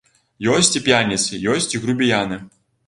Ёсць і п'яніцы, ёсць і грубіяны.